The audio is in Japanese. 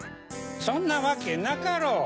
そんなわけなかろう。